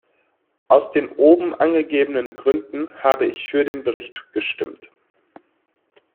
Aus den oben angegebenen Gründen habe ich für den Bericht gestimmt.